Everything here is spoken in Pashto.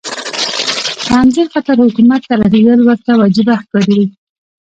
په همدې خاطر حکومت ته رسېدل ورته وجیبه ښکاري.